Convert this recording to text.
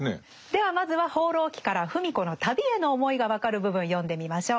ではまずは「放浪記」から芙美子の旅への思いが分かる部分読んでみましょう。